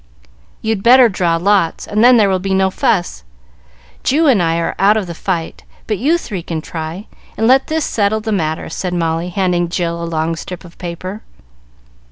"You'd better draw lots, and then there will be no fuss. Ju and I are out of the fight, but you three can try, and let this settle the matter," said Molly, handing Jill a long strip of paper.